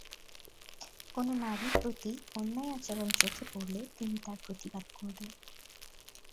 কোনো নারীর প্রতি অন্যায় আচরণ চোখে পড়লে তুমি তার প্রতিবাদ করবে।